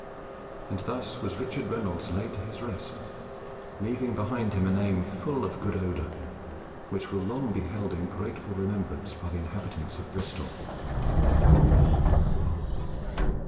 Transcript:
And thus was Richard Reynolds laid to his rest, leaving behind him a name full of good odour, which will long be held in grateful remembrance by the inhabitants of Bristol.